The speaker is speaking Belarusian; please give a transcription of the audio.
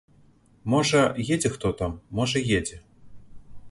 Можа, едзе хто там, можа, едзе.